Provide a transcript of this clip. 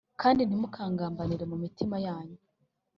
Kandi ntimukagambanirane mu mitima yanyu